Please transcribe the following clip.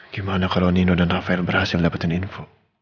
gimana kalau nino dan rafael berhasil dapetin info